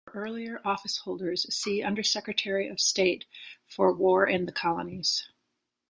For earlier office-holders see Under-Secretary of State for War and the Colonies.